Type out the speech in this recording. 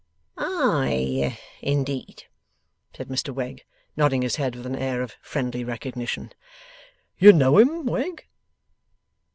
'Ay indeed!' said Mr Wegg, nodding his head with an air of friendly recognition. 'You know him, Wegg?